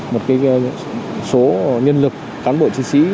một số nhân lực cán bộ